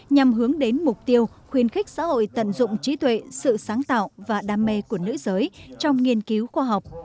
nhằm hướng đến mục tiêu khuyến khích xã hội tận dụng trí tuệ sự sáng tạo và đam mê của nữ giới trong nghiên cứu khoa học